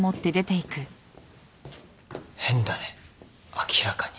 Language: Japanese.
変だね明らかに。